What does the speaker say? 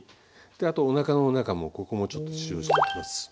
であとおなかの中もここもちょっと塩をしておきます。